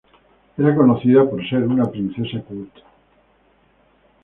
Era conocida por ser una princesa culta.